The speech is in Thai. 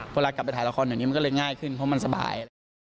เวลากลับไปถ่ายละครเดี๋ยวนี้มันก็เลยง่ายขึ้นเพราะมันสบาย